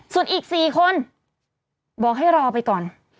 ส่วนอีก๔คนบอกให้รอไปก่อน